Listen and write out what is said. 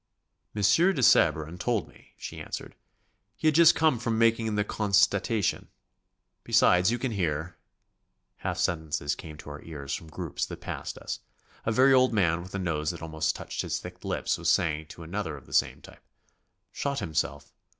"Monsieur de Sabran told me," she answered; "he had just come from making the constatation. Besides, you can hear ..." Half sentences came to our ears from groups that passed us. A very old man with a nose that almost touched his thick lips, was saying to another of the same type: "Shot himself